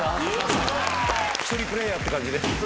１人プレーヤーって感じで。